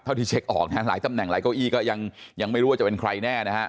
ที่เช็คออกนะฮะหลายตำแหน่งหลายเก้าอี้ก็ยังไม่รู้ว่าจะเป็นใครแน่นะฮะ